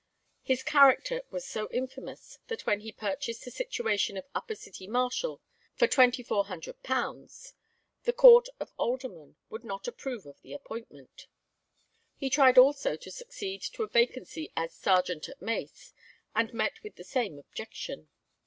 His character was so infamous, that when he purchased the situation of upper city marshal for £2400, the court of aldermen would not approve of the appointment. He tried also to succeed to a vacancy as Sergeant at mace, and met with the same objection.